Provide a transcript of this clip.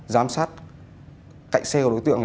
giám sát cạnh xe của đối tượng